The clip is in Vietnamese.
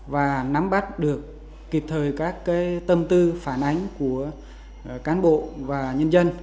và nắm bắt được kịp thời các tâm tư phản ánh của cán bộ và nhân dân